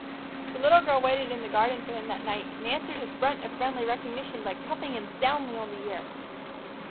The little girl waited in the garden for him that night, and answered his grunt of friendly recognition by cuffing him soundly on the ear.